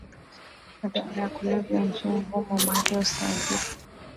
madawa ya kulevya nchini humoMario Sergio